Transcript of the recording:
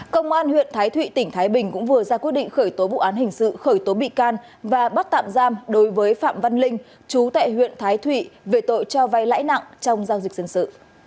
công an huyện thái thụy tỉnh thái bình cũng vừa ra quyết định khởi tố vụ án hình sự khởi tố bị can và bắt tạm giam đối với phạm văn linh chú tại huyện thái thụy về tội cho vay lãi nặng trong giao dịch dân sự